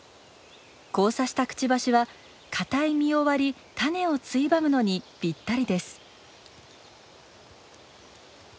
交差したくちばしはかたい実を割り種をついばむのにぴったりです。